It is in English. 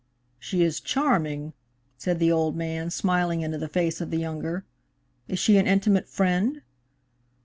"She is charming," said the old man, smiling into the face of the younger. "Is she an intimate friend?"